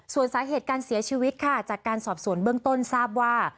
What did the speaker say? ส่วนสาเหตุการเสียชีวิตค่ะจากการสอบสวนเบื้องต้นทราบว่า